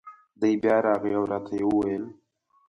دی بیا راغی او را ته یې وویل: